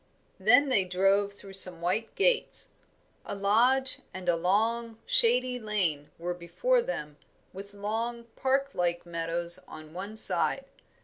Then they drove through some white gates. A lodge and a long, shady lane were before them, with long, parklike meadows on one side.